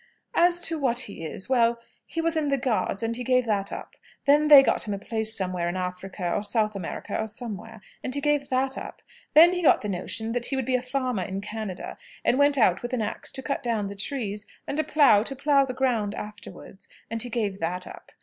"As to what he is well, he was in the Guards, and he gave that up. Then they got him a place somewhere in Africa, or South America, or somewhere and he gave that up. Then he got the notion that he would be a farmer in Canada, and went out with an axe to cut down the trees, and a plough to plough the ground afterwards, and he gave that up.